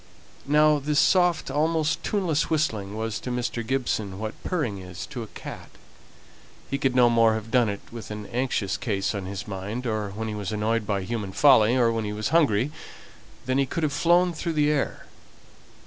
Now this soft, almost tuneless whistling, was to Mr. Gibson what purring is to a cat. He could no more have done it with an anxious case on his mind, or when he was annoyed by human folly, or when he was hungry, than he could have flown through the air.